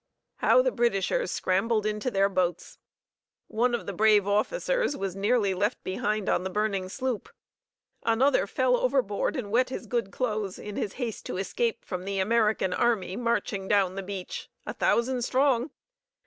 How the Britishers scrambled into their boats! One of the brave officers was nearly left behind on the burning sloop. Another fell overboard and wet his good clothes, in his haste to escape from the American army marching down the beach a thousand strong!